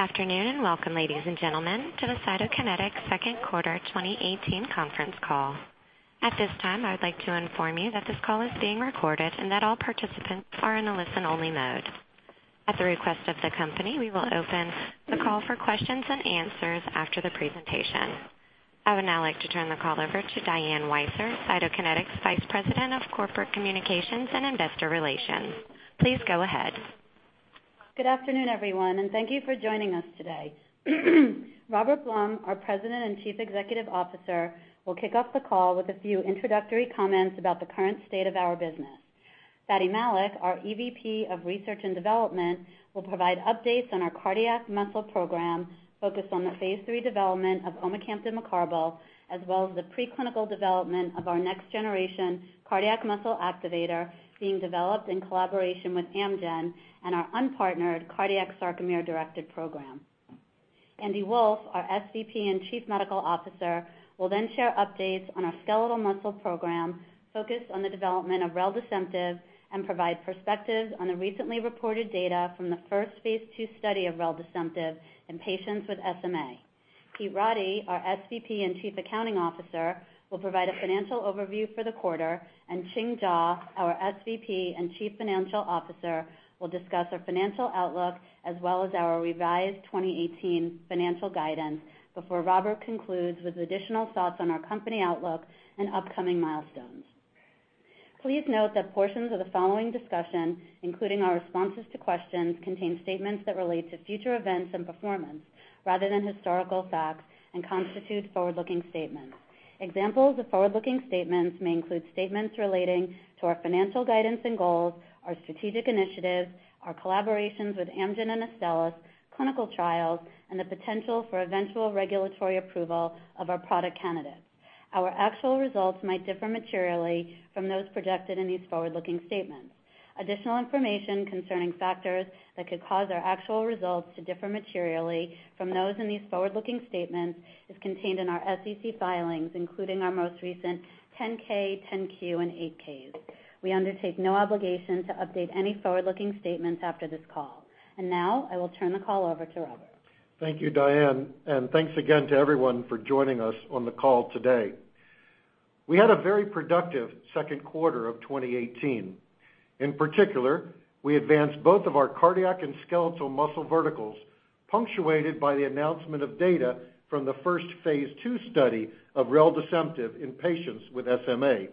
Good afternoon, and welcome ladies and gentlemen, to the Cytokinetics second quarter 2018 conference call. At this time, I would like to inform you that this call is being recorded and that all participants are in a listen-only mode. At the request of the company, we will open the call for questions and answers after the presentation. I would now like to turn the call over to Diane Weiser, Cytokinetics Vice President of Corporate Communications and Investor Relations. Please go ahead. Good afternoon, everyone, and thank you for joining us today. Robert Blum, our President and Chief Executive Officer, will kick off the call with a few introductory comments about the current state of our business. Fady Malik, our EVP of Research and Development, will provide updates on our cardiac muscle program focused on the phase III development of omecamtiv mecarbil, as well as the preclinical development of our next-generation cardiac muscle activator being developed in collaboration with Amgen and our unpartnered cardiac sarcomere-directed program. Andy Wolff, our SVP and Chief Medical Officer, will share updates on our skeletal muscle program focused on the development of reldesemtiv and provide perspectives on the recently reported data from the first phase II study of reldesemtiv in patients with SMA. Pete Roddy, our SVP and Chief Accounting Officer, will provide a financial overview for the quarter, and Ching Jaw, our SVP and Chief Financial Officer, will discuss our financial outlook as well as our revised 2018 financial guidance before Robert concludes with additional thoughts on our company outlook and upcoming milestones. Please note that portions of the following discussion, including our responses to questions, contain statements that relate to future events and performance rather than historical facts and constitute forward-looking statements. Examples of forward-looking statements may include statements relating to our financial guidance and goals, our strategic initiatives, our collaborations with Amgen and Astellas, clinical trials, and the potential for eventual regulatory approval of our product candidates. Our actual results might differ materially from those projected in these forward-looking statements. Additional information concerning factors that could cause our actual results to differ materially from those in these forward-looking statements is contained in our SEC filings, including our most recent 10-K, 10-Q, and 8-Ks. We undertake no obligation to update any forward-looking statements after this call. Now, I will turn the call over to Robert. Thank you, Diane, and thanks again to everyone for joining us on the call today. We had a very productive second quarter of 2018. In particular, we advanced both of our cardiac and skeletal muscle verticals, punctuated by the announcement of data from the first phase II study of reldesemtiv in patients with SMA.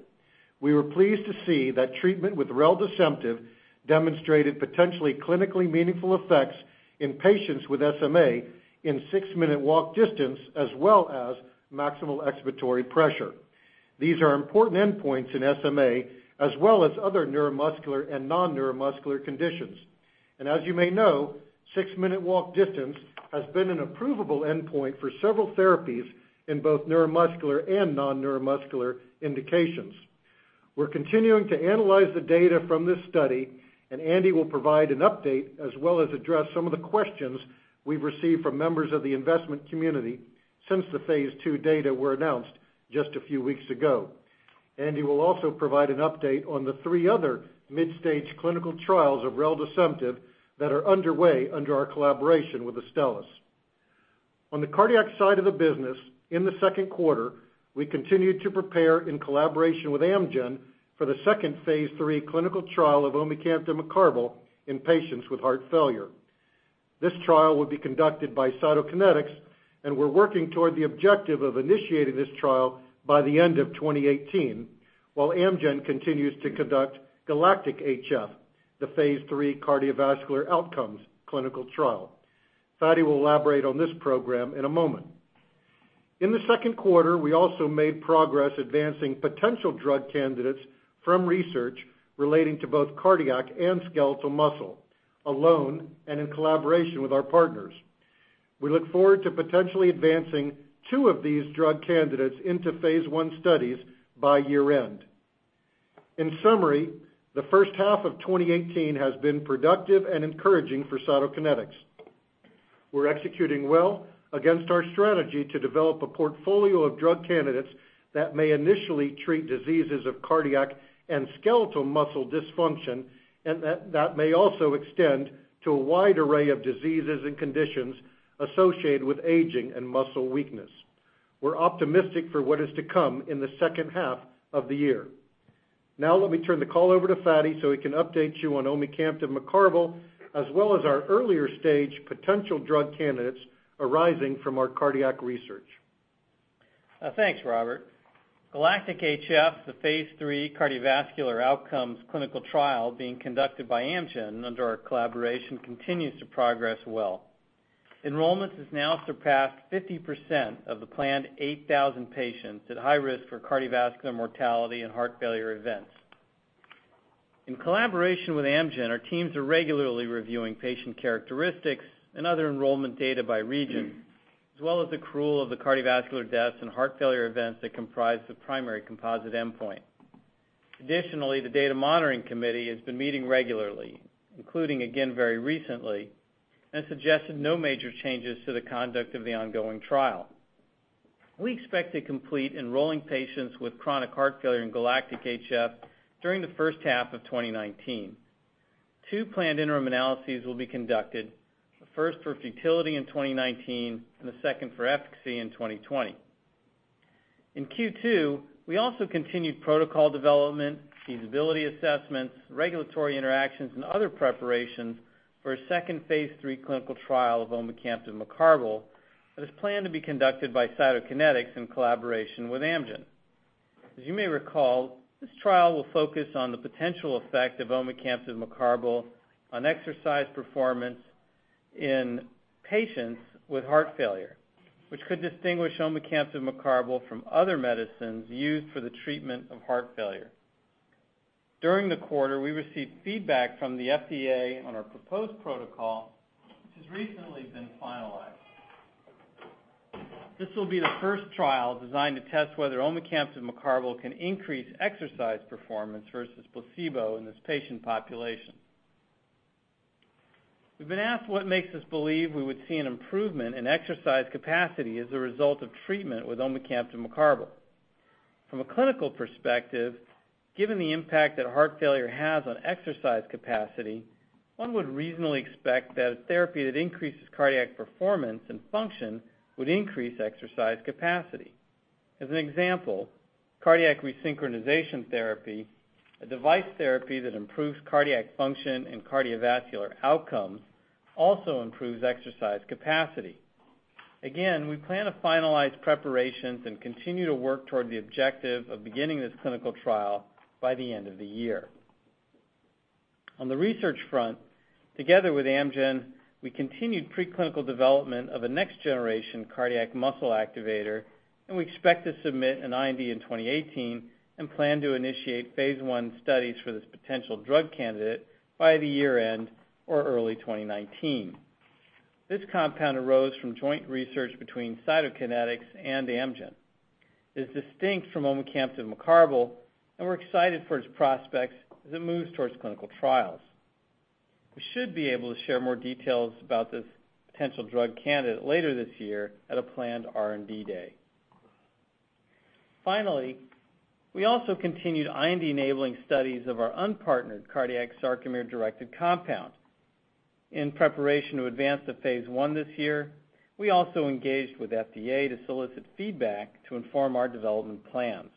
We were pleased to see that treatment with reldesemtiv demonstrated potentially clinically meaningful effects in patients with SMA in six-minute walk distance as well as maximal expiratory pressure. These are important endpoints in SMA as well as other neuromuscular and non-neuromuscular conditions. As you may know, six-minute walk distance has been an approvable endpoint for several therapies in both neuromuscular and non-neuromuscular indications. We're continuing to analyze the data from this study. Andy will provide an update as well as address some of the questions we've received from members of the investment community since the phase II data were announced just a few weeks ago. Andy will also provide an update on the three other mid-stage clinical trials of reldesemtiv that are underway under our collaboration with Astellas. On the cardiac side of the business, in the second quarter, we continued to prepare in collaboration with Amgen for the second phase III clinical trial of omecamtiv mecarbil in patients with heart failure. This trial will be conducted by Cytokinetics, and we're working toward the objective of initiating this trial by the end of 2018, while Amgen continues to conduct GALACTIC-HF, the phase III cardiovascular outcomes clinical trial. Fady will elaborate on this program in a moment. In the second quarter, we also made progress advancing potential drug candidates from research relating to both cardiac and skeletal muscle, alone and in collaboration with our partners. We look forward to potentially advancing two of these drug candidates into phase I studies by year-end. In summary, the first half of 2018 has been productive and encouraging for Cytokinetics. We're executing well against our strategy to develop a portfolio of drug candidates that may initially treat diseases of cardiac and skeletal muscle dysfunction, and that may also extend to a wide array of diseases and conditions associated with aging and muscle weakness. We're optimistic for what is to come in the second half of the year. Now let me turn the call over to Fady so he can update you on omecamtiv mecarbil as well as our earlier-stage potential drug candidates arising from our cardiac research. Thanks, Robert. GALACTIC-HF, the phase III cardiovascular outcomes clinical trial being conducted by Amgen under our collaboration, continues to progress well. Enrollment has now surpassed 50% of the planned 8,000 patients at high risk for cardiovascular mortality and heart failure events. In collaboration with Amgen, our teams are regularly reviewing patient characteristics and other enrollment data by region, as well as the accrual of the cardiovascular deaths and heart failure events that comprise the primary composite endpoint. Additionally, the data monitoring committee has been meeting regularly, including again very recently, and suggested no major changes to the conduct of the ongoing trial. We expect to complete enrolling patients with chronic heart failure in GALACTIC-HF during the first half of 2019. Two planned interim analyses will be conducted, the first for futility in 2019 and the second for efficacy in 2020. In Q2, we also continued protocol development, feasibility assessments, regulatory interactions, and other preparations for a second phase III clinical trial of omecamtiv mecarbil that is planned to be conducted by Cytokinetics in collaboration with Amgen. As you may recall, this trial will focus on the potential effect of omecamtiv mecarbil on exercise performance in patients with heart failure, which could distinguish omecamtiv mecarbil from other medicines used for the treatment of heart failure. During the quarter, we received feedback from the FDA on our proposed protocol, which has recently been finalized. This will be the first trial designed to test whether omecamtiv mecarbil can increase exercise performance versus placebo in this patient population. We've been asked what makes us believe we would see an improvement in exercise capacity as a result of treatment with omecamtiv mecarbil. From a clinical perspective, given the impact that heart failure has on exercise capacity, one would reasonably expect that a therapy that increases cardiac performance and function would increase exercise capacity. As an example, cardiac resynchronization therapy, a device therapy that improves cardiac function and cardiovascular outcomes, also improves exercise capacity. We plan to finalize preparations and continue to work toward the objective of beginning this clinical trial by the end of the year. On the research front, together with Amgen, we continued preclinical development of a next-generation cardiac muscle activator, and we expect to submit an IND in 2018 and plan to initiate phase I studies for this potential drug candidate by the year-end or early 2019. This compound arose from joint research between Cytokinetics and Amgen. It is distinct from omecamtiv mecarbil, and we're excited for its prospects as it moves towards clinical trials. We should be able to share more details about this potential drug candidate later this year at a planned R&D day. We also continued IND-enabling studies of our unpartnered cardiac sarcomere-directed compound. In preparation to advance to phase I this year, we also engaged with FDA to solicit feedback to inform our development plans.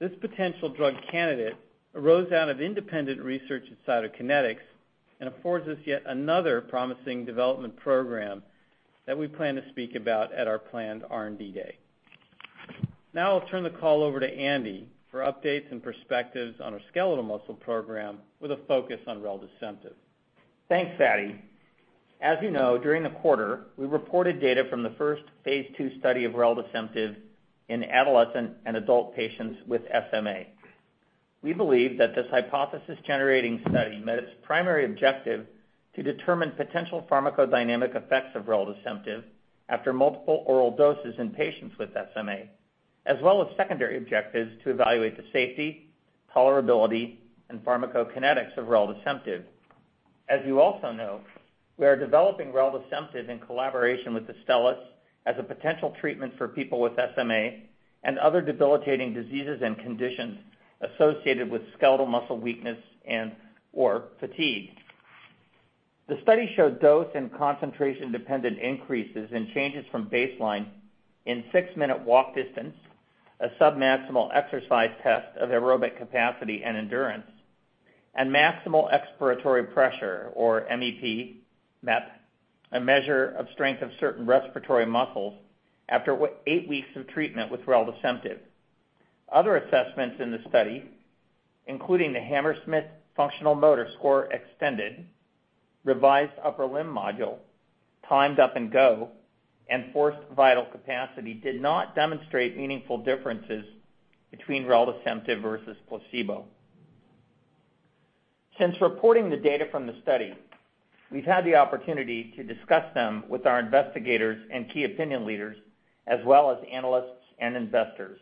This potential drug candidate arose out of independent research at Cytokinetics and affords us yet another promising development program that we plan to speak about at our planned R&D day. I'll turn the call over to Andy for updates and perspectives on our skeletal muscle program, with a focus on reldesemtiv. Thanks, Fady. As you know, during the quarter, we reported data from the first phase II study of reldesemtiv in adolescent and adult patients with SMA. We believe that this hypothesis-generating study met its primary objective to determine potential pharmacodynamic effects of reldesemtiv after multiple oral doses in patients with SMA, as well as secondary objectives to evaluate the safety, tolerability, and pharmacokinetics of reldesemtiv. As you also know, we are developing reldesemtiv in collaboration with Astellas as a potential treatment for people with SMA and other debilitating diseases and conditions associated with skeletal muscle weakness and/or fatigue. The study showed dose and concentration-dependent increases in changes from baseline in six-minute walk distance, a sub-maximal exercise test of aerobic capacity and endurance, and maximal expiratory pressure, or MEP, a measure of strength of certain respiratory muscles, after eight weeks of treatment with reldesemtiv. Other assessments in the study, including the Hammersmith Functional Motor Scale Expanded, Revised Upper Limb Module, Timed Up and Go, and Forced Vital Capacity, did not demonstrate meaningful differences between reldesemtiv versus placebo. Since reporting the data from the study, we've had the opportunity to discuss them with our investigators and key opinion leaders, as well as analysts and investors.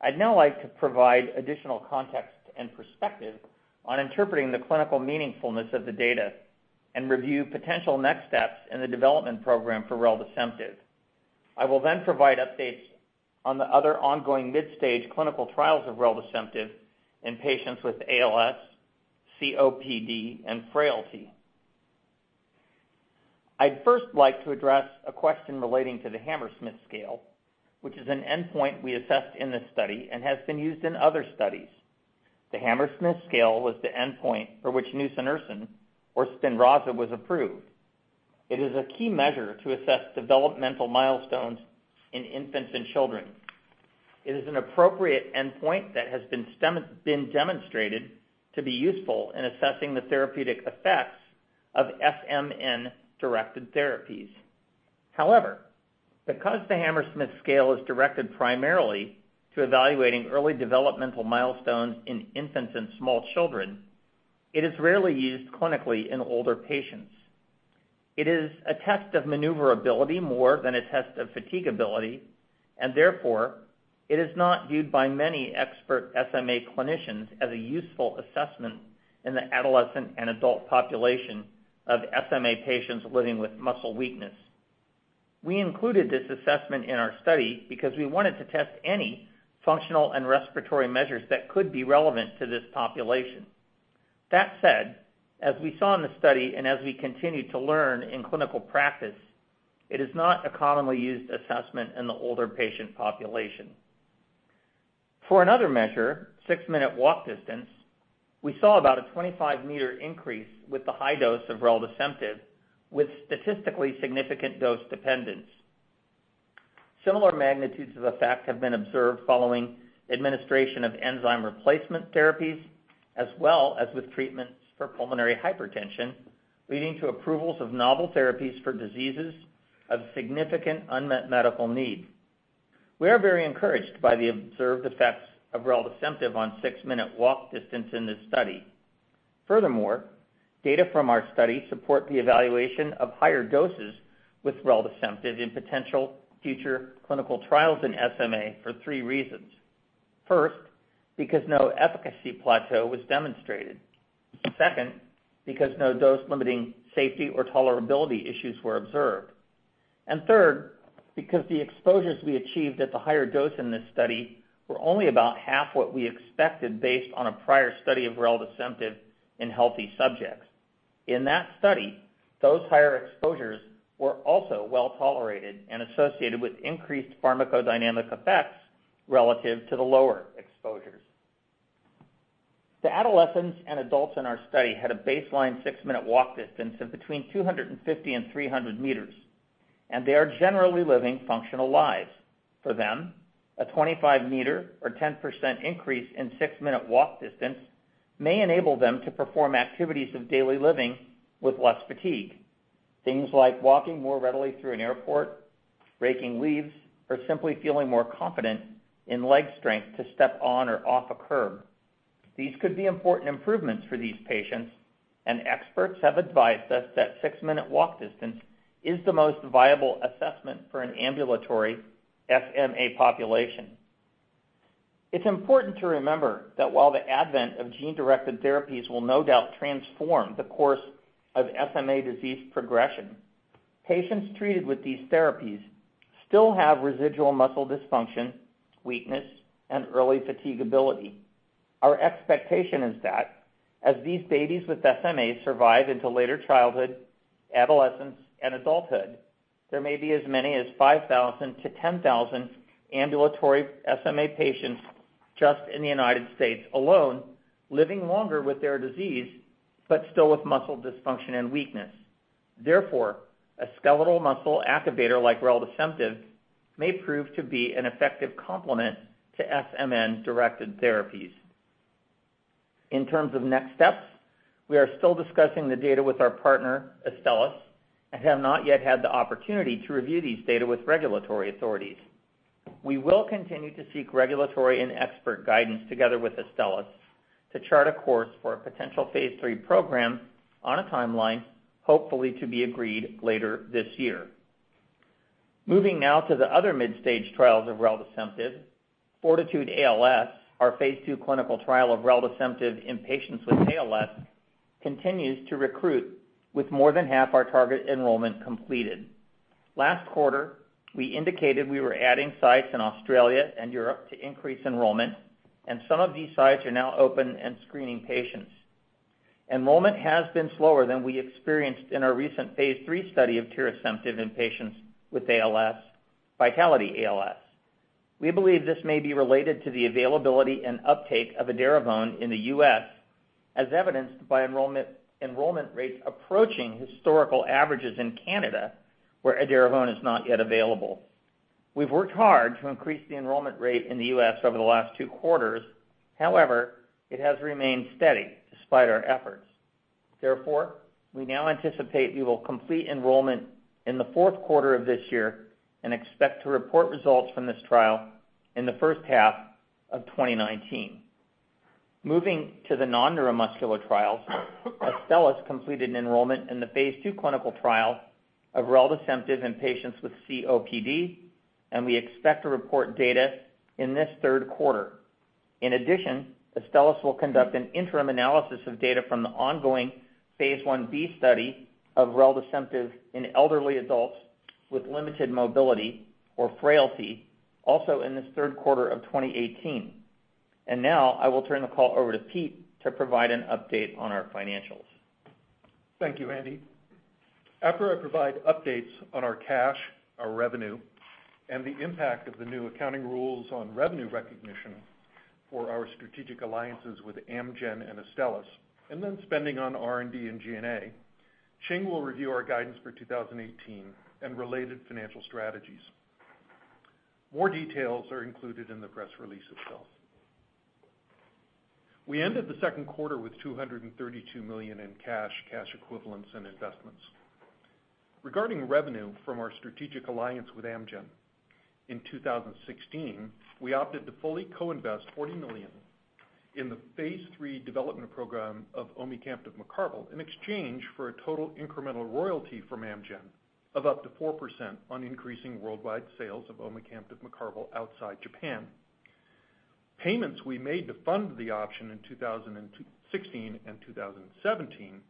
I'd now like to provide additional context and perspective on interpreting the clinical meaningfulness of the data and review potential next steps in the development program for reldesemtiv. I will then provide updates on the other ongoing mid-stage clinical trials of reldesemtiv in patients with ALS, COPD, and frailty. I'd first like to address a question relating to the Hammersmith scale, which is an endpoint we assessed in this study and has been used in other studies. The Hammersmith scale was the endpoint for which nusinersen, or SPINRAZA, was approved. It is a key measure to assess developmental milestones in infants and children. It is an appropriate endpoint that has been demonstrated to be useful in assessing the therapeutic effects of SMN-directed therapies. However, because the Hammersmith scale is directed primarily to evaluating early developmental milestones in infants and small children, it is rarely used clinically in older patients. Therefore, it is not viewed by many expert SMA clinicians as a useful assessment in the adolescent and adult population of SMA patients living with muscle weakness. We included this assessment in our study because we wanted to test any functional and respiratory measures that could be relevant to this population. That said, as we saw in the study and as we continue to learn in clinical practice, it is not a commonly used assessment in the older patient population. For another measure, Six-Minute Walk Distance, we saw about a 25-meter increase with the high dose of reldesemtiv, with statistically significant dose dependence. Similar magnitudes of effect have been observed following administration of enzyme replacement therapies, as well as with treatments for pulmonary hypertension, leading to approvals of novel therapies for diseases of significant unmet medical need. We are very encouraged by the observed effects of reldesemtiv on Six-Minute Walk Distance in this study. Furthermore, data from our study support the evaluation of higher doses with reldesemtiv in potential future clinical trials in SMA for three reasons. First, because no efficacy plateau was demonstrated. Second, because no dose-limiting safety or tolerability issues were observed. Third, because the exposures we achieved at the higher dose in this study were only about half what we expected based on a prior study of reldesemtiv in healthy subjects. In that study, those higher exposures were also well-tolerated and associated with increased pharmacodynamic effects relative to the lower exposures. The adolescents and adults in our study had a baseline Six-Minute Walk Distance of between 250 and 300 meters, and they are generally living functional lives. For them, a 25-meter or 10% increase in Six-Minute Walk Distance may enable them to perform activities of daily living with less fatigue. Things like walking more readily through an airport, raking leaves, or simply feeling more confident in leg strength to step on or off a curb. These could be important improvements for these patients. Experts have advised us that six-minute walk distance is the most viable assessment for an ambulatory SMA population. It's important to remember that while the advent of gene-directed therapies will no doubt transform the course of SMA disease progression, patients treated with these therapies still have residual muscle dysfunction, weakness, and early fatiguability. Our expectation is that as these babies with SMA survive into later childhood, adolescence, and adulthood, there may be as many as 5,000 to 10,000 ambulatory SMA patients just in the U.S. alone, living longer with their disease, but still with muscle dysfunction and weakness. Therefore, a skeletal muscle activator like reldesemtiv may prove to be an effective complement to SMN-directed therapies. In terms of next steps, we are still discussing the data with our partner, Astellas, and have not yet had the opportunity to review these data with regulatory authorities. We will continue to seek regulatory and expert guidance together with Astellas to chart a course for a potential phase III program on a timeline, hopefully to be agreed later this year. Moving now to the other mid-stage trials of reldesemtiv, FORTITUDE-ALS, our phase II clinical trial of reldesemtiv in patients with ALS, continues to recruit with more than half our target enrollment completed. Last quarter, we indicated we were adding sites in Australia and Europe to increase enrollment, and some of these sites are now open and screening patients. Enrollment has been slower than we experienced in our recent phase III study of tirasemtiv in patients with ALS, VITALITY-ALS. We believe this may be related to the availability and uptake of edaravone in the U.S., as evidenced by enrollment rates approaching historical averages in Canada, where edaravone is not yet available. We've worked hard to increase the enrollment rate in the U.S. over the last two quarters. It has remained steady despite our efforts. We now anticipate we will complete enrollment in the fourth quarter of this year and expect to report results from this trial in the first half of 2019. Moving to the non-neuromuscular trials, Astellas completed an enrollment in the phase II clinical trial of reldesemtiv in patients with COPD. We expect to report data in this third quarter. Astellas will conduct an interim analysis of data from the ongoing phase I-B study of reldesemtiv in elderly adults with limited mobility or frailty also in this third quarter of 2018. Now I will turn the call over to Pete to provide an update on our financials. Thank you, Andy. After I provide updates on our cash, our revenue, and the impact of the new accounting rules on revenue recognition for our strategic alliances with Amgen and Astellas, and then spending on R&D and G&A, Ching will review our guidance for 2018 and related financial strategies. More details are included in the press release itself. We ended the second quarter with $232 million in cash equivalents, and investments. Regarding revenue from our strategic alliance with Amgen, in 2016, we opted to fully co-invest $40 million in the phase III development program of omecamtiv mecarbil in exchange for a total incremental royalty from Amgen of up to 4% on increasing worldwide sales of omecamtiv mecarbil outside Japan. Payments we made to fund the option in 2016 and 2017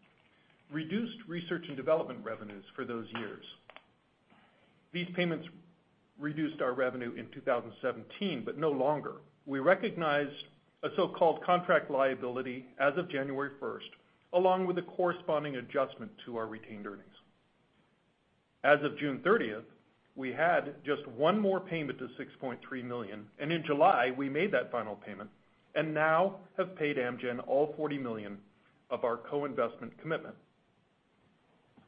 reduced research and development revenues for those years. These payments reduced our revenue in 2017. No longer. We recognized a so-called contract liability as of January 1st, along with a corresponding adjustment to our retained earnings. As of June 30th, we had just one more payment to $6.3 million, and in July, we made that final payment and now have paid Amgen all $40 million of our co-investment commitment.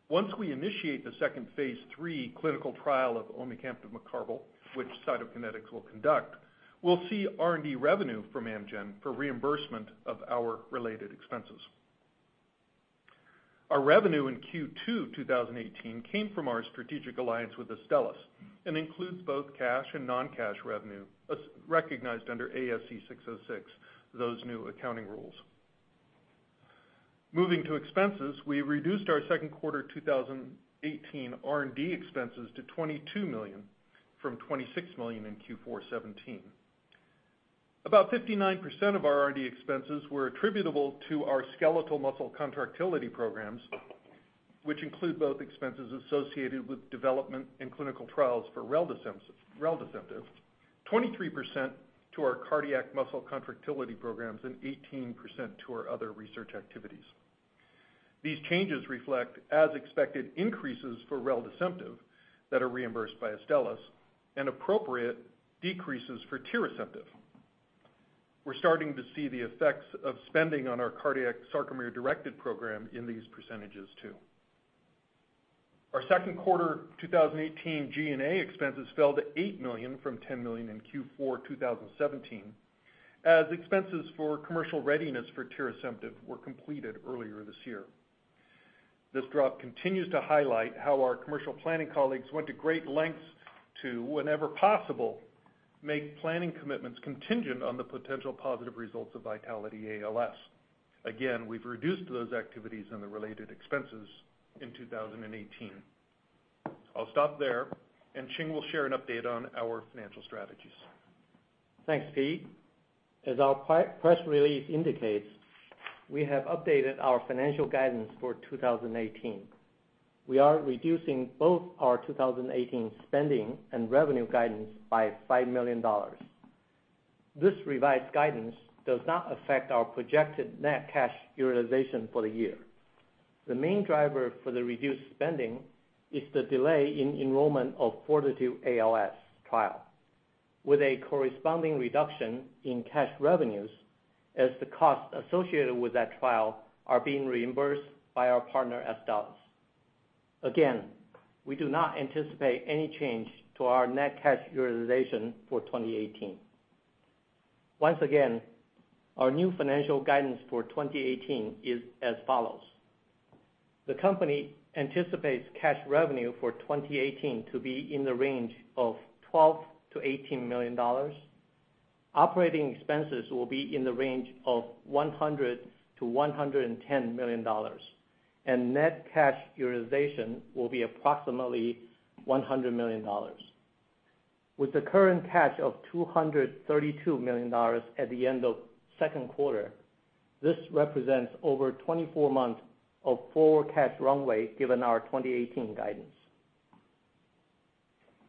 Once we initiate the second phase III clinical trial of omecamtiv mecarbil, which Cytokinetics will conduct, we'll see R&D revenue from Amgen for reimbursement of our related expenses. Our revenue in Q2 2018 came from our strategic alliance with Astellas and includes both cash and non-cash revenue, as recognized under ASC 606, those new accounting rules. Moving to expenses, we reduced our second quarter 2018 R&D expenses to $22 million from $26 million in Q4 2017. About 59% of our R&D expenses were attributable to our skeletal muscle contractility programs, which include both expenses associated with development and clinical trials for reldesemtiv, 23% to our cardiac muscle contractility programs, and 18% to our other research activities. These changes reflect, as expected, increases for reldesemtiv that are reimbursed by Astellas and appropriate decreases for tirasemtiv. We're starting to see the effects of spending on our cardiac sarcomere-directed program in these percentages too. Our second quarter 2018 G&A expenses fell to $8 million from $10 million in Q4 2017 as expenses for commercial readiness for tirasemtiv were completed earlier this year. This drop continues to highlight how our commercial planning colleagues went to great lengths to, whenever possible, make planning commitments contingent on the potential positive results of VITALITY-ALS. We've reduced those activities and the related expenses in 2018. I'll stop there. Ching will share an update on our financial strategies. Thanks, Pete. As our press release indicates, we have updated our financial guidance for 2018. We are reducing both our 2018 spending and revenue guidance by $5 million. This revised guidance does not affect our projected net cash utilization for the year. The main driver for the reduced spending is the delay in enrollment of FORTITUDE-ALS trial, with a corresponding reduction in cash revenues as the costs associated with that trial are being reimbursed by our partner, Astellas. Again, we do not anticipate any change to our net cash utilization for 2018. Once again, our new financial guidance for 2018 is as follows. The company anticipates cash revenue for 2018 to be in the range of $12 million-$18 million. Operating expenses will be in the range of $100 million-$110 million, and net cash utilization will be approximately $100 million. With the current cash of $232 million at the end of the second quarter, this represents over 24 months of full cash runway given our 2018 guidance.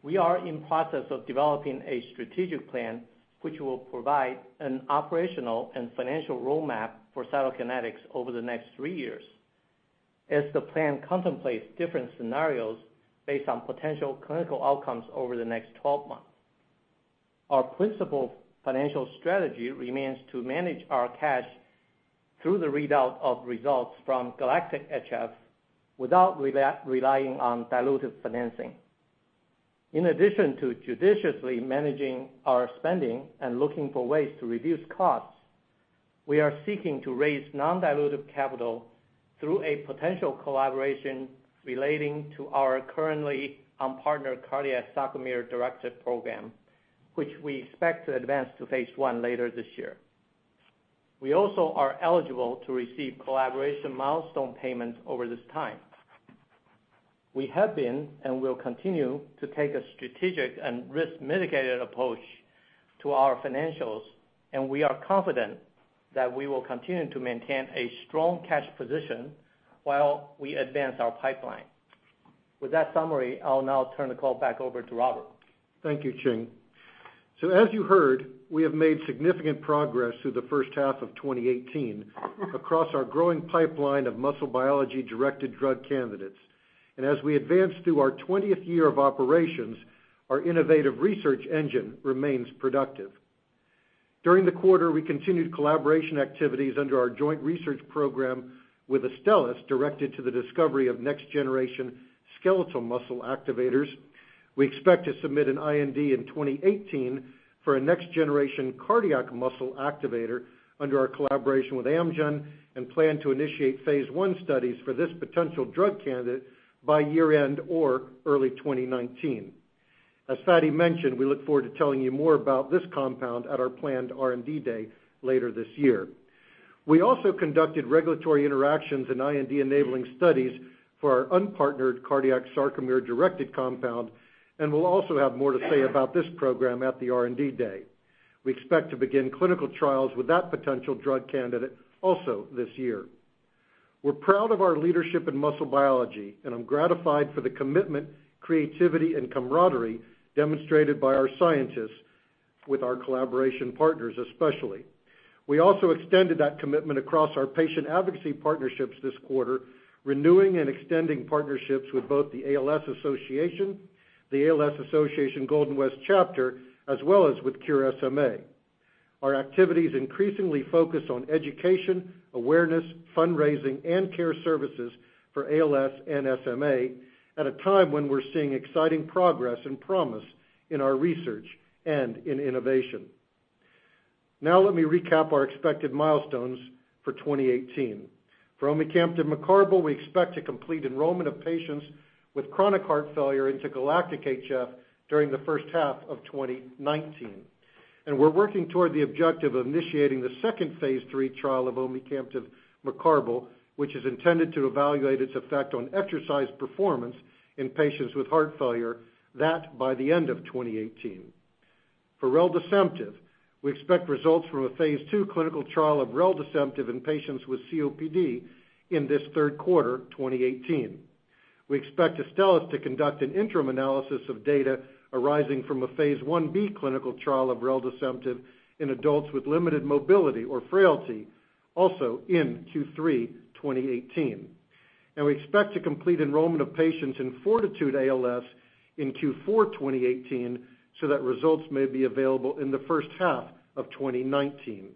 We are in process of developing a strategic plan, which will provide an operational and financial roadmap for Cytokinetics over the next three years, as the plan contemplates different scenarios based on potential clinical outcomes over the next 12 months. Our principal financial strategy remains to manage our cash through the readout of results from GALACTIC-HF without relying on dilutive financing. In addition to judiciously managing our spending and looking for ways to reduce costs, we are seeking to raise non-dilutive capital through a potential collaboration relating to our currently unpartnered cardiac sarcomere-directed program, which we expect to advance to phase I later this year. We also are eligible to receive collaboration milestone payments over this time. We have been and will continue to take a strategic and risk-mitigated approach to our financials, and we are confident that we will continue to maintain a strong cash position while we advance our pipeline. With that summary, I'll now turn the call back over to Robert. Thank you, Ching. As you heard, we have made significant progress through the first half of 2018 across our growing pipeline of muscle biology-directed drug candidates. As we advance through our 20th year of operations, our innovative research engine remains productive. During the quarter, we continued collaboration activities under our joint research program with Astellas, directed to the discovery of next-generation skeletal muscle activators. We expect to submit an IND in 2018 for a next-generation cardiac muscle activator under our collaboration with Amgen, and plan to initiate phase I studies for this potential drug candidate by year-end or early 2019. As Fady mentioned, we look forward to telling you more about this compound at our planned R&D Day later this year. We also conducted regulatory interactions and IND-enabling studies for our unpartnered cardiac sarcomere-directed compound, and we'll also have more to say about this program at the R&D Day. We expect to begin clinical trials with that potential drug candidate also this year. We're proud of our leadership in muscle biology, and I'm gratified for the commitment, creativity, and camaraderie demonstrated by our scientists with our collaboration partners, especially. We also extended that commitment across our patient advocacy partnerships this quarter, renewing and extending partnerships with both The ALS Association, the ALS Association Golden West Chapter, as well as with Cure SMA. Our activities increasingly focus on education, awareness, fundraising, and care services for ALS and SMA at a time when we're seeing exciting progress and promise in our research and in innovation. Let me recap our expected milestones for 2018. For omecamtiv mecarbil, we expect to complete enrollment of patients with chronic heart failure into GALACTIC-HF during the first half of 2019. We're working toward the objective of initiating the second phase III trial of omecamtiv mecarbil, which is intended to evaluate its effect on exercise performance in patients with heart failure, that by the end of 2018. For reldesemtiv, we expect results from a phase II clinical trial of reldesemtiv in patients with COPD in this third quarter 2018. We expect Astellas to conduct an interim analysis of data arising from a phase Ib clinical trial of reldesemtiv in adults with limited mobility or frailty also in Q3 2018. We expect to complete enrollment of patients in FORTITUDE-ALS in Q4 2018 so that results may be available in the first half of 2019.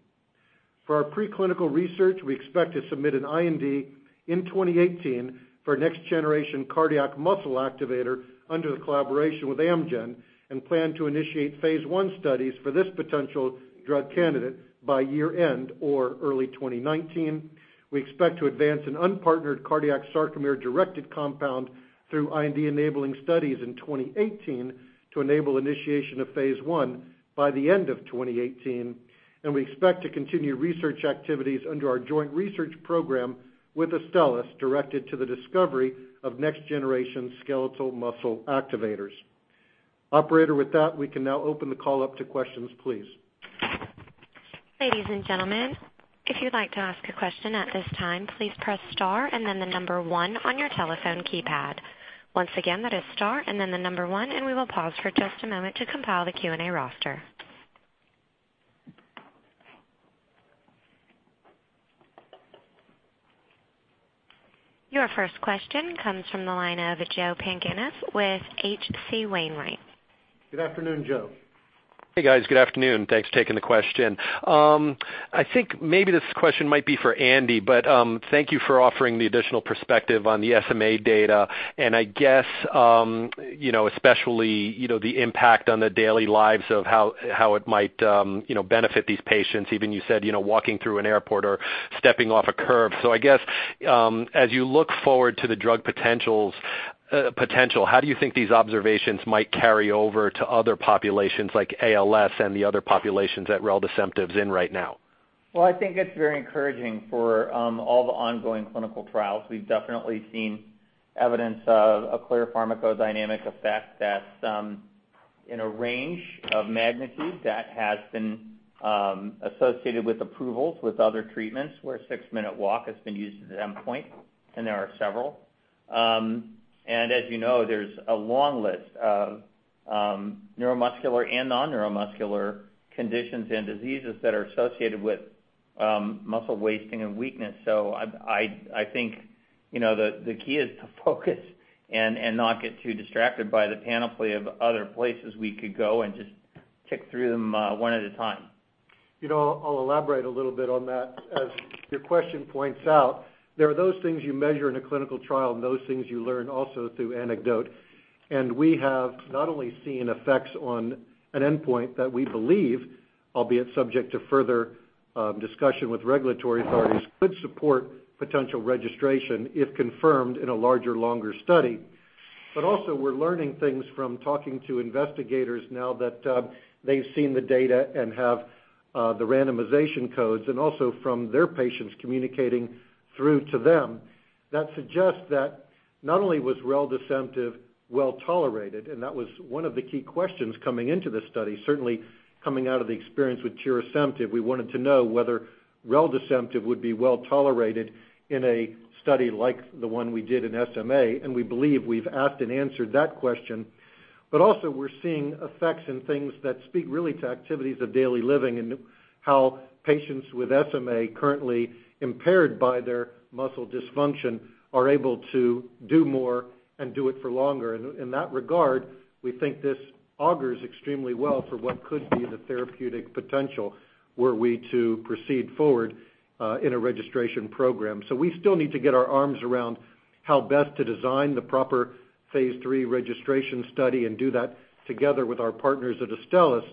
For our preclinical research, we expect to submit an IND in 2018 for a next-generation cardiac muscle activator under the collaboration with Amgen and plan to initiate phase I studies for this potential drug candidate by year-end or early 2019. We expect to advance an unpartnered cardiac sarcomere-directed compound through IND-enabling studies in 2018 to enable initiation of phase I by the end of 2018. We expect to continue research activities under our joint research program with Astellas, directed to the discovery of next-generation skeletal muscle activators. Operator, with that, we can now open the call up to questions, please. Ladies and gentlemen, if you'd like to ask a question at this time, please press star and then the number one on your telephone keypad. Once again, that is star and then the number one, and we will pause for just a moment to compile the Q&A roster. Your first question comes from the line of Joe Pantginis with H.C. Wainwright. Good afternoon, Joe. Hey, guys. Good afternoon. Thanks for taking the question. I think maybe this question might be for Andy, but thank you for offering the additional perspective on the SMA data and I guess, especially, the impact on the daily lives of how it might benefit these patients. Even you said walking through an airport or stepping off a curb. As you look forward to the drug potential, how do you think these observations might carry over to other populations like ALS and the other populations that reldesemtiv's in right now? Well, I think it's very encouraging for all the ongoing clinical trials. We've definitely seen evidence of a clear pharmacodynamic effect that's in a range of magnitude that has been associated with approvals with other treatments where a six-minute walk has been used as an endpoint, and there are several. As you know, there's a long list of neuromuscular and non-neuromuscular conditions and diseases that are associated with muscle wasting and weakness. I think the key is to focus and not get too distracted by the panoply of other places we could go and just tick through them one at a time. I'll elaborate a little bit on that. As your question points out, there are those things you measure in a clinical trial and those things you learn also through anecdote. We have not only seen effects on an endpoint that we believe, albeit subject to further discussion with regulatory authorities, could support potential registration if confirmed in a larger, longer study. Also we're learning things from talking to investigators now that they've seen the data and have the randomization codes, and also from their patients communicating through to them that suggest that not only was reldesemtiv well-tolerated, and that was one of the key questions coming into this study. Certainly coming out of the experience with tirasemtiv, we wanted to know whether reldesemtiv would be well-tolerated in a study like the one we did in SMA, and we believe we've asked and answered that question. Also we're seeing effects in things that speak really to activities of daily living and how patients with SMA currently impaired by their muscle dysfunction are able to do more and do it for longer. In that regard, we think this augurs extremely well for what could be the therapeutic potential were we to proceed forward in a registration program. We still need to get our arms around how best to design the proper Phase III registration study and do that together with our partners at Astellas.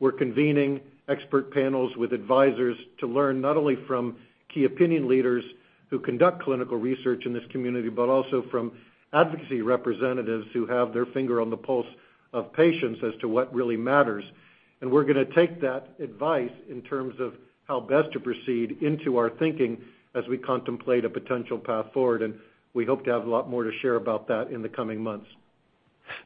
We're convening expert panels with advisors to learn not only from key opinion leaders who conduct clinical research in this community, but also from advocacy representatives who have their finger on the pulse of patients as to what really matters. We're going to take that advice in terms of how best to proceed into our thinking as we contemplate a potential path forward, and we hope to have a lot more to share about that in the coming months.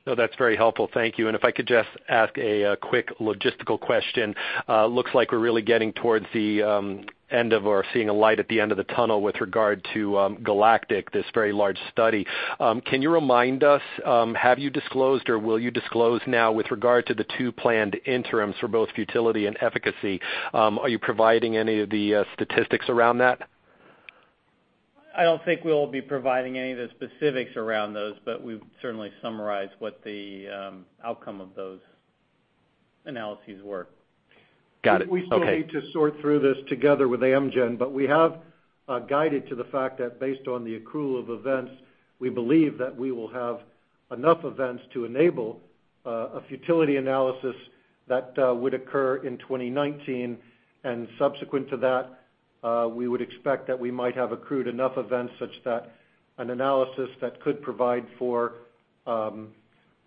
No, that's very helpful. Thank you. If I could just ask a quick logistical question. Looks like we're really getting towards the end of, or seeing a light at the end of the tunnel with regard to GALACTIC, this very large study. Can you remind us, have you disclosed or will you disclose now with regard to the two planned interims for both futility and efficacy? Are you providing any of the statistics around that? I don't think we'll be providing any of the specifics around those, but we've certainly summarized what the outcome of those analyses were. Got it. Okay. We still need to sort through this together with Amgen, but we have guided to the fact that based on the accrual of events, we believe that we will have enough events to enable a futility analysis that would occur in 2019. Subsequent to that, we would expect that we might have accrued enough events such that an analysis that could provide for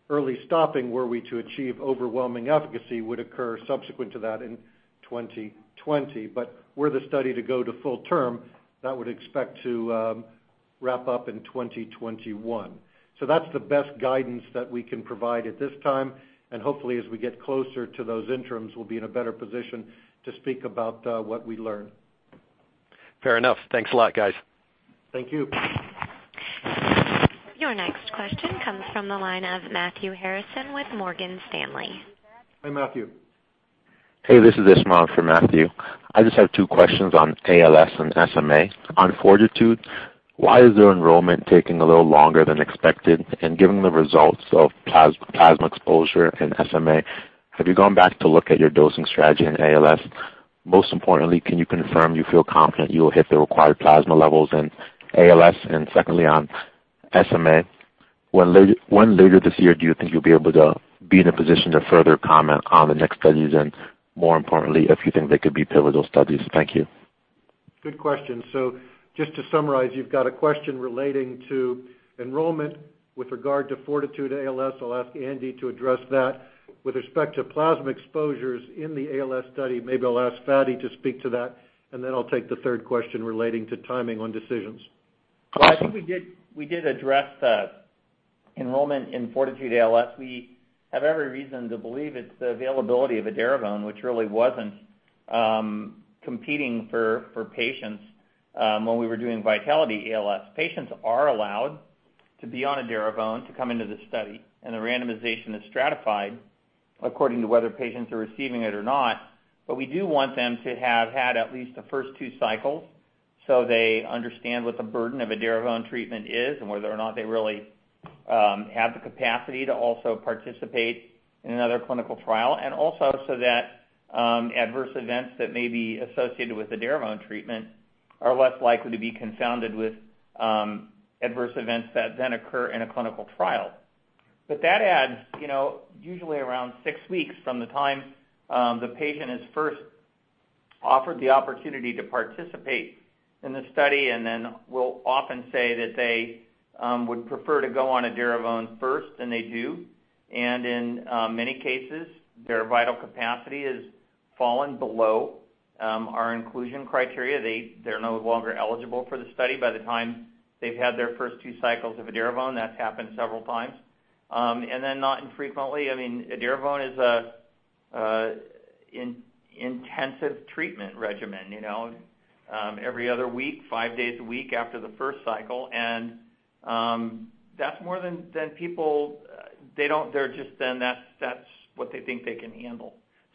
early stopping were we to achieve overwhelming efficacy would occur subsequent to that in 2020. Were the study to go to full term, that would expect to wrap up in 2021. That's the best guidance that we can provide at this time, and hopefully as we get closer to those interims, we'll be in a better position to speak about what we learn. Fair enough. Thanks a lot, guys. Thank you. Your next question comes from the line of Matthew Harrison with Morgan Stanley. Hey, Matthew. Hey, this is Ismail for Matthew. I just have two questions on ALS and SMA. On FORTITUDE, why is your enrollment taking a little longer than expected? Given the results of plasma exposure in SMA, have you gone back to look at your dosing strategy in ALS? Most importantly, can you confirm you feel confident you will hit the required plasma levels in ALS? Secondly, on SMA, when later this year do you think you'll be able to be in a position to further comment on the next studies and more importantly, if you think they could be pivotal studies? Thank you. Good question. Just to summarize, you've got a question relating to enrollment with regard to FORTITUDE-ALS. I'll ask Andy Wolff to address that. With respect to plasma exposures in the ALS study, maybe I'll ask Fady Malik to speak to that, and then I'll take the third question relating to timing on decisions. I think we did address the enrollment in FORTITUDE-ALS. We have every reason to believe it's the availability of edaravone, which really wasn't competing for patients when we were doing VITALITY-ALS. Patients are allowed to be on edaravone to come into the study, and the randomization is stratified according to whether patients are receiving it or not. We do want them to have had at least the first two cycles so they understand what the burden of edaravone treatment is and whether or not they really have the capacity to also participate in another clinical trial. Also so that adverse events that may be associated with edaravone treatment are less likely to be confounded with adverse events that then occur in a clinical trial. That adds usually around six weeks from the time the patient is first offered the opportunity to participate in the study, and then we'll often say that they would prefer to go on edaravone first, and they do. In many cases, their vital capacity has fallen below our inclusion criteria. They're no longer eligible for the study by the time they've had their first two cycles of edaravone. That's happened several times. Not infrequently, edaravone is an intensive treatment regimen. Every other week, five days a week after the first cycle, and that's what they think they can handle.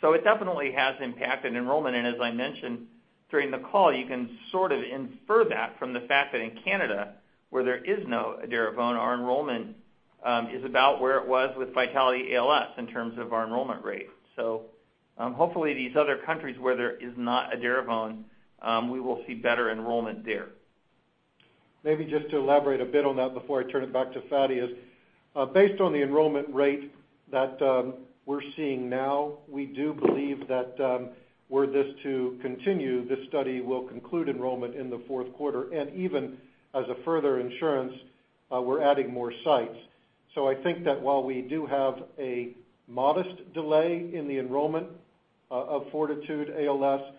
It definitely has impacted enrollment, and as I mentioned during the call, you can sort of infer that from the fact that in Canada, where there is no edaravone, our enrollment is about where it was with VITALITY-ALS in terms of our enrollment rate. Hopefully these other countries where there is not edaravone, we will see better enrollment there. Maybe just to elaborate a bit on that before I turn it back to Fady, is based on the enrollment rate that we're seeing now, we do believe that were this to continue, this study will conclude enrollment in the fourth quarter, and even as a further insurance, we're adding more sites. I think that while we do have a modest delay in the enrollment of FORTITUDE-ALS,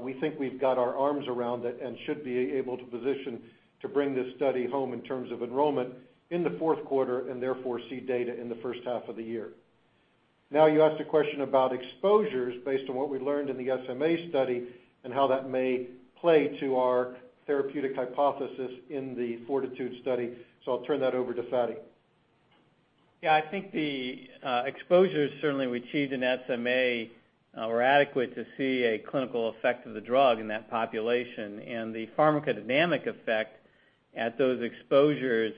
we think we've got our arms around it and should be able to position to bring this study home in terms of enrollment in the fourth quarter and therefore see data in the first half of the year. You asked a question about exposures based on what we learned in the SMA study and how that may play to our therapeutic hypothesis in the FORTITUDE study. I'll turn that over to Fady. Yeah, I think the exposures certainly we achieved in SMA were adequate to see a clinical effect of the drug in that population, and the pharmacodynamic effect at those exposures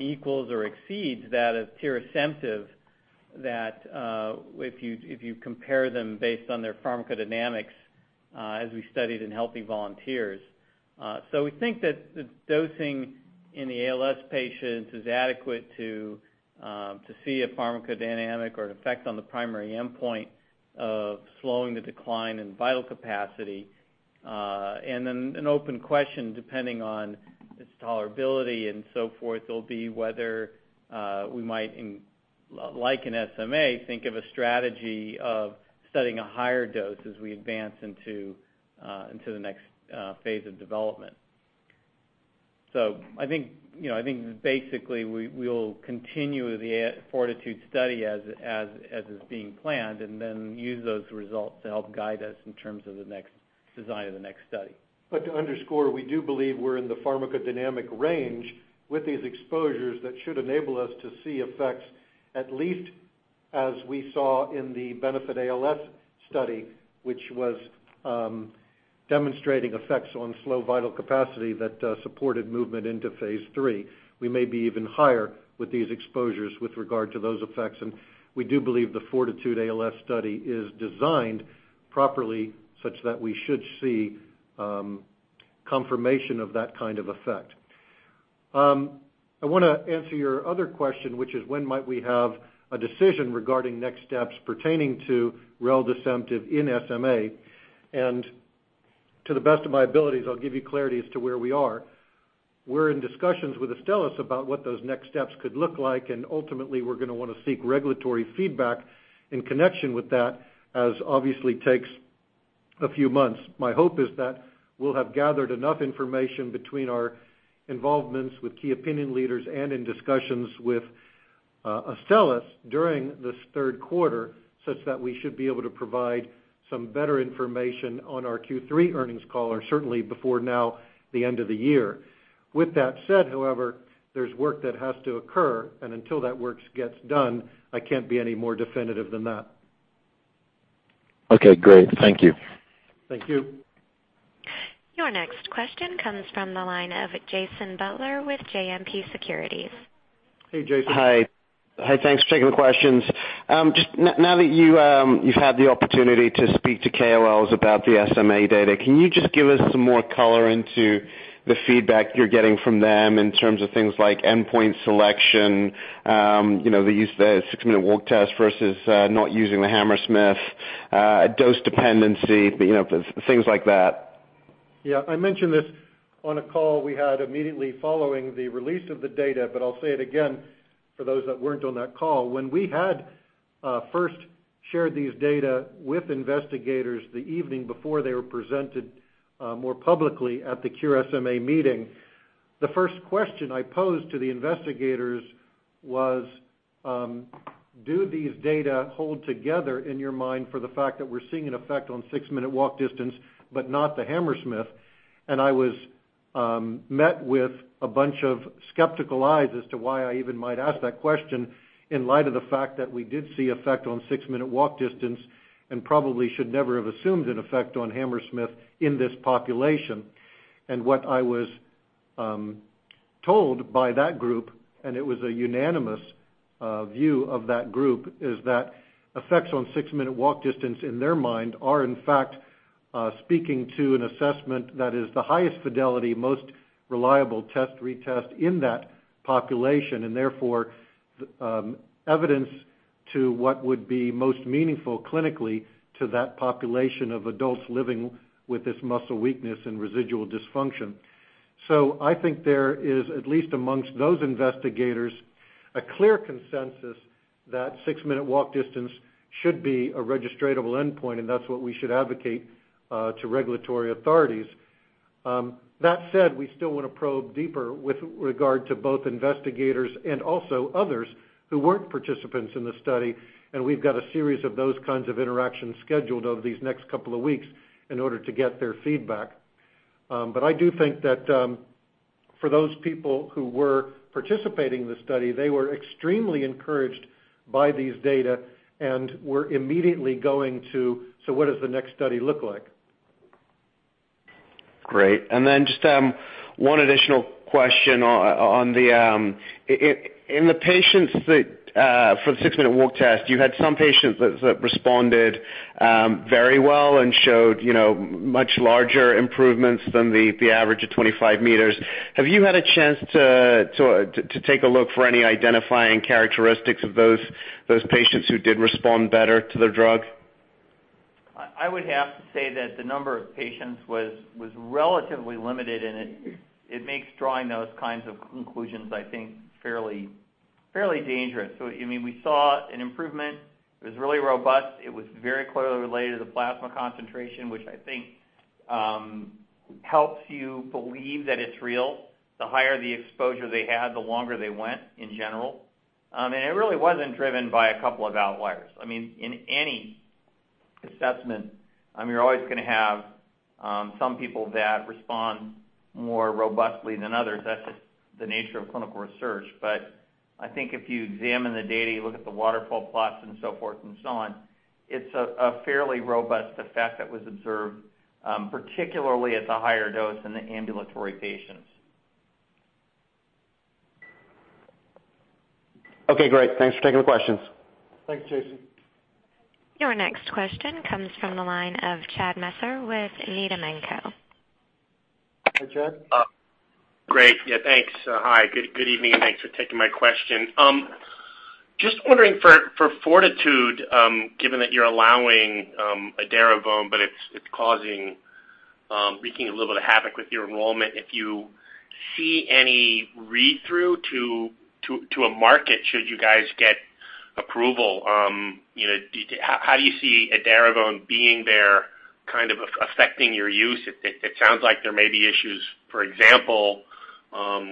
equals or exceeds that of tirasemtiv that if you compare them based on their pharmacodynamics As we studied in healthy volunteers. We think that the dosing in the ALS patients is adequate to see a pharmacodynamic or an effect on the primary endpoint of slowing the decline in vital capacity. An open question, depending on its tolerability and so forth, will be whether we might, like in SMA, think of a strategy of studying a higher dose as we advance into the next phase of development. I think basically we'll continue the FORTITUDE study as is being planned, and then use those results to help guide us in terms of the design of the next study. To underscore, we do believe we're in the pharmacodynamic range with these exposures that should enable us to see effects at least as we saw in the BENEFIT-ALS study, which was demonstrating effects on slow vital capacity that supported movement into phase III. We may be even higher with these exposures with regard to those effects, and we do believe the FORTITUDE-ALS study is designed properly such that we should see confirmation of that kind of effect. I want to answer your other question, which is when might we have a decision regarding next steps pertaining to reldesemtiv in SMA? To the best of my abilities, I'll give you clarity as to where we are. We're in discussions with Astellas about what those next steps could look like, and ultimately, we're going to want to seek regulatory feedback in connection with that, as obviously takes a few months. My hope is that we'll have gathered enough information between our involvements with key opinion leaders and in discussions with Astellas during this 3rd quarter, such that we should be able to provide some better information on our Q3 earnings call, or certainly before now the end of the year. With that said, however, there's work that has to occur, and until that work gets done, I can't be any more definitive than that. Okay, great. Thank you. Thank you. Your next question comes from the line of Jason Butler with JMP Securities. Hey, Jason. Hi. Thanks for taking the questions. Just now that you've had the opportunity to speak to KOLs about the SMA data, can you just give us some more color into the feedback you're getting from them in terms of things like endpoint selection, the use of the six-minute walk test versus not using the Hammersmith, dose dependency, things like that? Yeah. I mentioned this on a call we had immediately following the release of the data, I'll say it again for those that weren't on that call. When we had first shared these data with investigators the evening before they were presented more publicly at the Cure SMA meeting, the first question I posed to the investigators was, do these data hold together in your mind for the fact that we're seeing an effect on six-minute walk distance, but not the Hammersmith? I was met with a bunch of skeptical eyes as to why I even might ask that question in light of the fact that we did see effect on six-minute walk distance and probably should never have assumed an effect on Hammersmith in this population. What I was told by that group, and it was a unanimous view of that group, is that effects on six-minute walk distance in their mind are, in fact, speaking to an assessment that is the highest fidelity, most reliable test retest in that population, and therefore evidence to what would be most meaningful clinically to that population of adults living with this muscle weakness and residual dysfunction. I think there is, at least amongst those investigators, a clear consensus that six-minute walk distance should be a registratable endpoint, and that's what we should advocate to regulatory authorities. That said, we still want to probe deeper with regard to both investigators and also others who weren't participants in the study, and we've got a series of those kinds of interactions scheduled over these next couple of weeks in order to get their feedback. I do think that for those people who were participating in the study, they were extremely encouraged by these data and were immediately going to, what does the next study look like? Great. Just one additional question. In the patients that for the six-minute walk test, you had some patients that responded very well and showed much larger improvements than the average of 25 meters. Have you had a chance to take a look for any identifying characteristics of those patients who did respond better to the drug? I would have to say that the number of patients was relatively limited, and it makes drawing those kinds of conclusions, I think, fairly dangerous. We saw an improvement. It was really robust. It was very clearly related to plasma concentration, which I think helps you believe that it's real. The higher the exposure they had, the longer they went in general. It really wasn't driven by a couple of outliers. In any assessment, you're always going to have some people that respond more robustly than others. That's just the nature of clinical research. I think if you examine the data, you look at the waterfall plots and so forth and so on, it's a fairly robust effect that was observed, particularly at the higher dose in the ambulatory patients. Okay, great. Thanks for taking the questions. Thanks, Jason. Your next question comes from the line of Chad Messer with Needham & Company. Hi, Chad. Great. Yeah, thanks. Hi, good evening, thanks for taking my question. Just wondering for FORTITUDE, given that you're allowing edaravone, it's wreaking a little bit of havoc with your enrollment, if you see any read-through to a market, should you guys get approval? How do you see edaravone being there kind of affecting your use? It sounds like there may be issues, for example,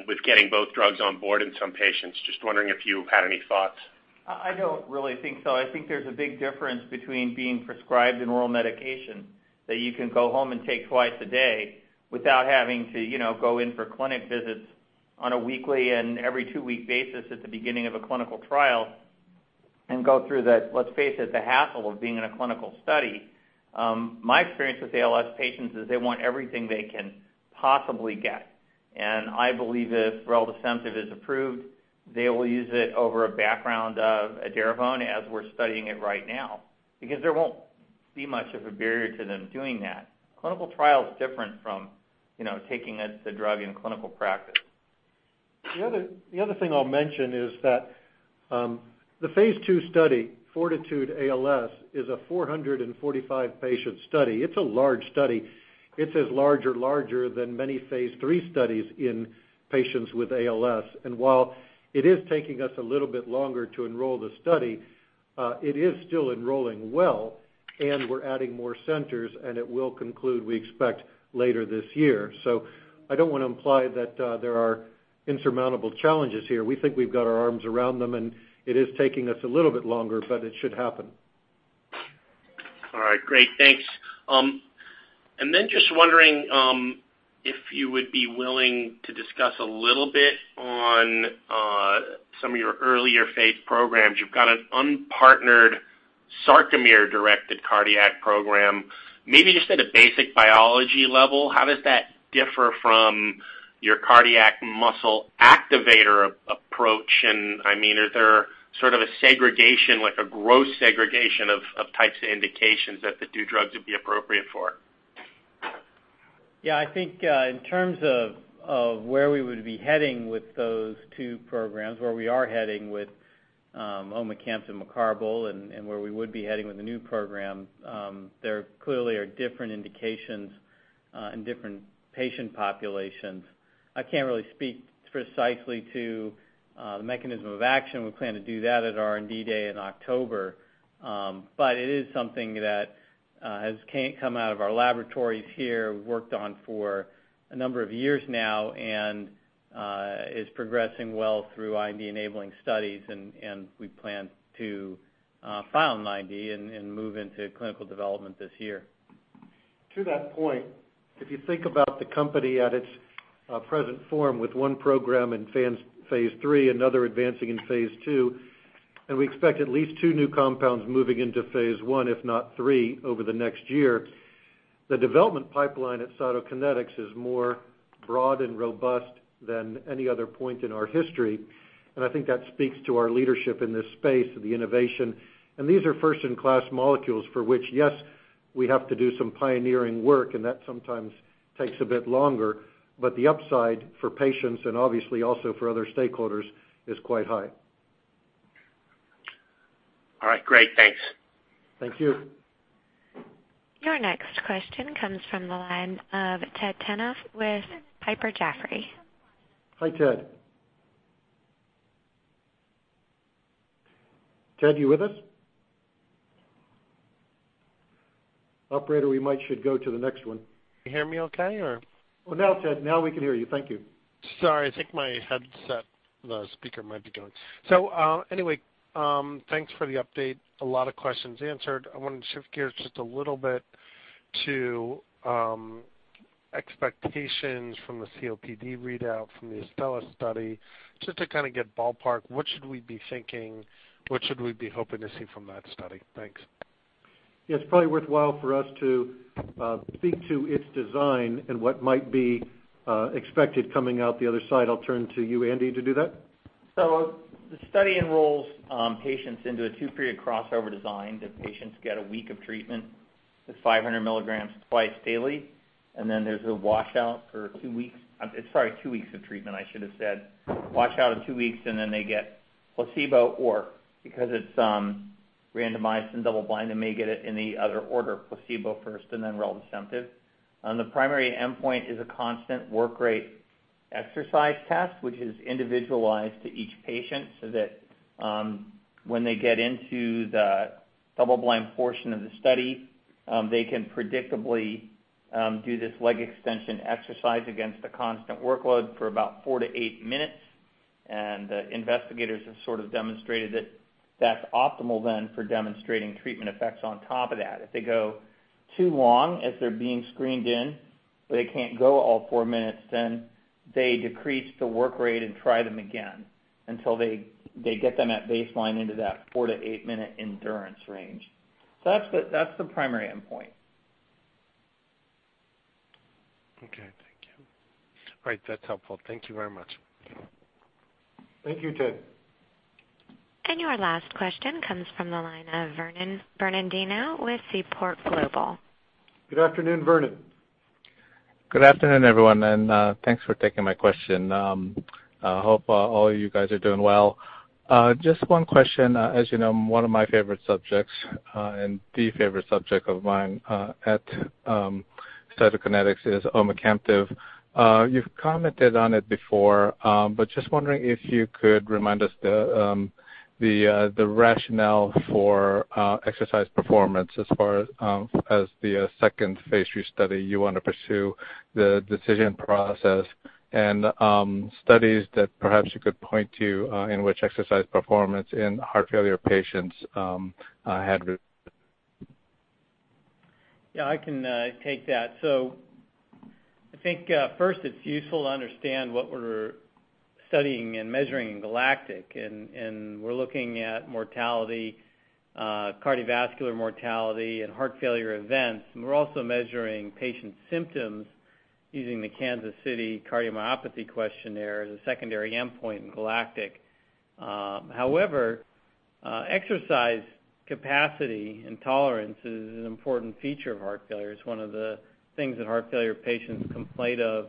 with getting both drugs on board in some patients. Just wondering if you've had any thoughts? I don't really think so. I think there's a big difference between being prescribed an oral medication that you can go home and take twice a day without having to go in for clinic visits on a weekly and every two-week basis at the beginning of a clinical trial and go through the, let's face it, the hassle of being in a clinical study. My experience with ALS patients is they want everything they can possibly get, and I believe if reldesemtiv is approved, they will use it over a background of edaravone as we're studying it right now, because there won't be much of a barrier to them doing that. A clinical trial is different from taking the drug in clinical practice. The other thing I'll mention is that the phase II study, FORTITUDE-ALS, is a 445-patient study. It's a large study. It's as large or larger than many phase III studies in patients with ALS. While it is taking us a little bit longer to enroll the study, it is still enrolling well, and we're adding more centers, and it will conclude, we expect, later this year. I don't want to imply that there are insurmountable challenges here. We think we've got our arms around them, and it is taking us a little bit longer, but it should happen. All right. Great. Thanks. Just wondering if you would be willing to discuss a little bit on some of your earlier phase programs. You've got an unpartnered sarcomere-directed cardiac program. Maybe just at a basic biology level, how does that differ from your cardiac muscle activator approach? Is there sort of a segregation, like a gross segregation of types of indications that the two drugs would be appropriate for? I think, in terms of where we would be heading with those two programs, where we are heading with omecamtiv mecarbil, and where we would be heading with the new program, there clearly are different indications and different patient populations. I can't really speak precisely to the mechanism of action. We plan to do that at our R&D day in October. It is something that has come out of our laboratories here, worked on for a number of years now, and is progressing well through IND-enabling studies, and we plan to file an IND and move into clinical development this year. To that point, if you think about the company at its present form with one program in phase III, another advancing in phase II, and we expect at least two new compounds moving into phase I, if not three, over the next year. The development pipeline at Cytokinetics is more broad and robust than any other point in our history, I think that speaks to our leadership in this space of the innovation. These are first-in-class molecules for which, yes, we have to do some pioneering work, and that sometimes takes a bit longer, but the upside for patients and obviously also for other stakeholders, is quite high. All right. Great. Thanks. Thank you. Your next question comes from the line of Ted Tenthoff with Piper Jaffray. Hi, Ted. Ted, are you with us? Operator, we might should go to the next one. Can you hear me okay, or? Now, Ted, now we can hear you. Thank you. Sorry. I think my headset, the speaker might be going. Anyway, thanks for the update. A lot of questions answered. I wanted to shift gears just a little bit to expectations from the COPD readout from the Astellas study, just to kind of get ballpark, what should we be thinking? What should we be hoping to see from that study? Thanks. Yeah. It's probably worthwhile for us to speak to its design and what might be expected coming out the other side. I'll turn to you, Andy, to do that. The study enrolls patients into a two-period crossover design. The patients get a week of treatment with 500 milligrams twice daily, then there's a washout for 2 weeks. It's probably 2 weeks of treatment, I should have said. Wash out in 2 weeks, then they get placebo or, because it's randomized and double-blind, they may get it in the other order, placebo first and then reldesemtiv. The primary endpoint is a constant work rate exercise test, which is individualized to each patient so that when they get into the double-blind portion of the study, they can predictably do this leg extension exercise against a constant workload for about 4 to 8 minutes. The investigators have sort of demonstrated that that's optimal then for demonstrating treatment effects on top of that. If they go too long as they're being screened in, but they can't go all 4 minutes, then they decrease the work rate and try them again until they get them at baseline into that 4 to 8-minute endurance range. That's the primary endpoint. Right. That's helpful. Thank you very much. Thank you, Ted. Your last question comes from the line of Vernon Bernardino with Seaport Global. Good afternoon, Vernon. Good afternoon, everyone, and thanks for taking my question. I hope all you guys are doing well. Just one question. As you know, one of my favorite subjects, and the favorite subject of mine, at Cytokinetics is omecamtiv. You've commented on it before, but just wondering if you could remind us the rationale for exercise performance as far as the second Phase III study you want to pursue the decision process and studies that perhaps you could point to in which exercise performance in heart failure patients had Yeah, I can take that. I think first it's useful to understand what we're studying and measuring in GALACTIC, and we're looking at mortality, cardiovascular mortality, and heart failure events. We're also measuring patient symptoms using the Kansas City Cardiomyopathy Questionnaire as a secondary endpoint in GALACTIC. However, exercise capacity intolerance is an important feature of heart failure. It's one of the things that heart failure patients complain of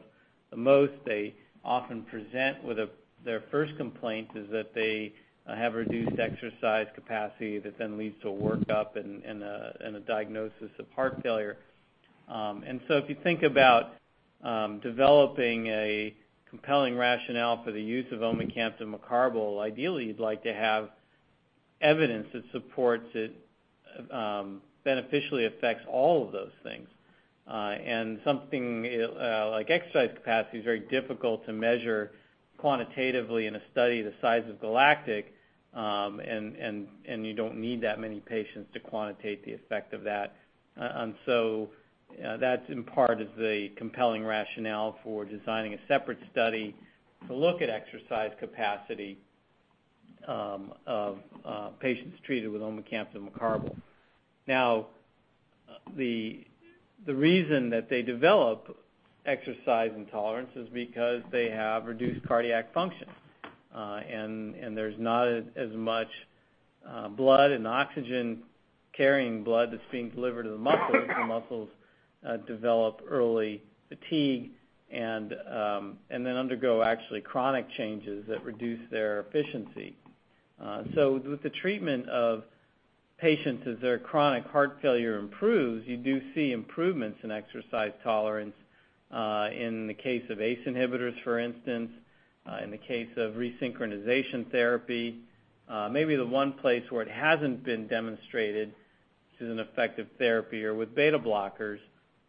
the most. They often present with Their first complaint is that they have reduced exercise capacity that then leads to a workup and a diagnosis of heart failure. If you think about developing a compelling rationale for the use of omecamtiv mecarbil, ideally you'd like to have evidence that supports it beneficially affects all of those things. Something like exercise capacity is very difficult to measure quantitatively in a study the size of GALACTIC, you don't need that many patients to quantitate the effect of that. That in part is the compelling rationale for designing a separate study to look at exercise capacity of patients treated with omecamtiv mecarbil. The reason that they develop exercise intolerance is because they have reduced cardiac function. There's not as much blood and oxygen-carrying blood that's being delivered to the muscles. The muscles develop early fatigue and then undergo actually chronic changes that reduce their efficiency. With the treatment of patients as their chronic heart failure improves, you do see improvements in exercise tolerance, in the case of ACE inhibitors, for instance, in the case of resynchronization therapy. Maybe the one place where it hasn't been demonstrated as an effective therapy are with beta blockers.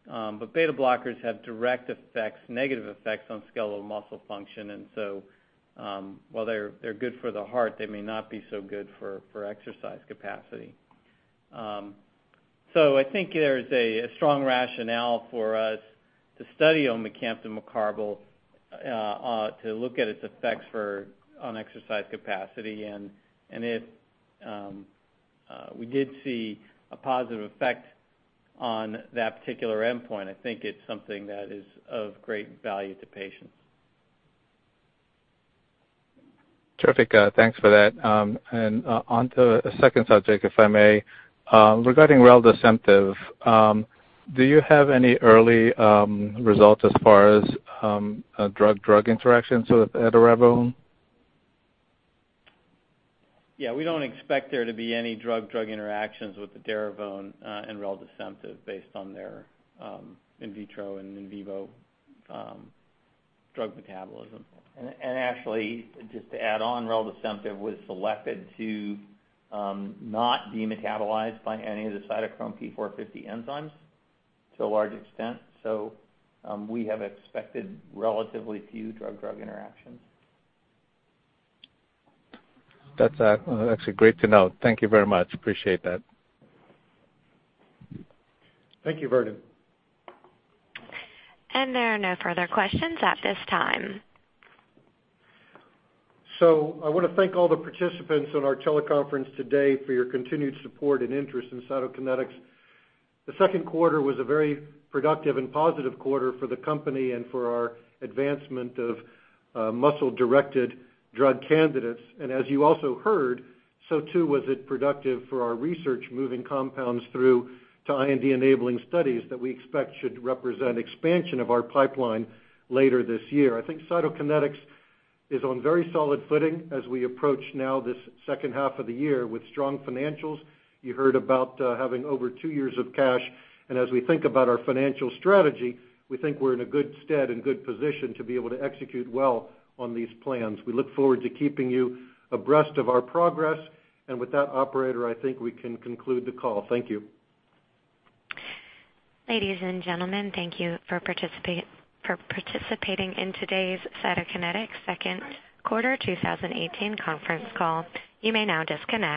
Beta blockers have direct effects, negative effects on skeletal muscle function. While they're good for the heart, they may not be so good for exercise capacity. I think there's a strong rationale for us to study omecamtiv mecarbil, to look at its effects on exercise capacity. If we did see a positive effect on that particular endpoint, I think it's something that is of great value to patients. Terrific. Thanks for that. Onto a second subject, if I may. Regarding reldesemtiv, do you have any early results as far as drug-drug interactions with edaravone? We don't expect there to be any drug-drug interactions with edaravone in reldesemtiv based on their in vitro and in vivo drug metabolism. Actually, just to add on, reldesemtiv was selected to not be metabolized by any of the cytochrome P450 enzymes to a large extent. We have expected relatively few drug-drug interactions. That's actually great to know. Thank you very much. Appreciate that. Thank you, Vernon. There are no further questions at this time. I want to thank all the participants on our teleconference today for your continued support and interest in Cytokinetics. The second quarter was a very productive and positive quarter for the company and for our advancement of muscle-directed drug candidates. As you also heard, so too was it productive for our research, moving compounds through to IND-enabling studies that we expect should represent expansion of our pipeline later this year. I think Cytokinetics is on very solid footing as we approach now this second half of the year with strong financials. You heard about having over two years of cash. As we think about our financial strategy, we think we're in a good stead and good position to be able to execute well on these plans. We look forward to keeping you abreast of our progress. With that, operator, I think we can conclude the call. Thank you. Ladies and gentlemen, thank you for participating in today's Cytokinetics second quarter 2018 conference call. You may now disconnect.